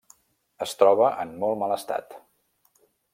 Es troba en molt mal estat.